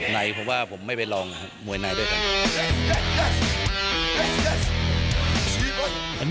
ในผมว่าผมไม่ไปลองมวยในด้วยกัน